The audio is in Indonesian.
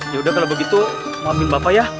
ya udah kalau begitu mohon bapak ya